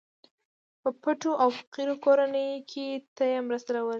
پټو او فقيرو کورنيو ته يې مرستې ورلېږلې.